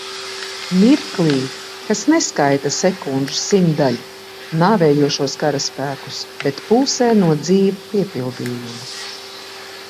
Mirklī, kas neskaita sekunžu simtdaļu nāvējošos karaspēkus, bet pulsē no dzīva piepildījuma.